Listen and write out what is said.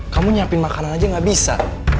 kamu nyiapin makanan aja gak bisa